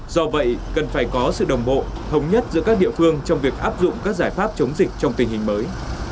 do vậy cần phải có sự đồng bộ thống nhất giữa các địa phương trong việc áp dụng các giải pháp chống dịch trong tình hình mới